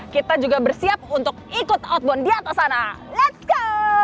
kita juga bersiap untuk ikut outbound di atas sana let s go